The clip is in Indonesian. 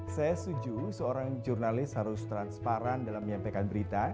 saya setuju seorang jurnalis harus transparan dalam menyampaikan berita